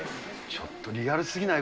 ちょっとリアルすぎない？